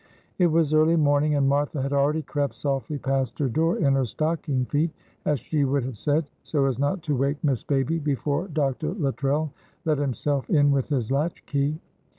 It was early morning and Martha had already crept softly past her door in her stocking' feet, as she would have said, so as not to wake Miss Baby, before Dr. Luttrell let himself in with his latchkey.